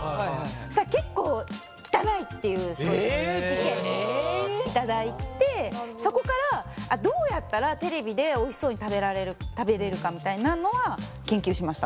そしたら結構汚いっていう意見を頂いてそこからどうやったらテレビでおいしそうに食べれるかみたいなのは研究しました。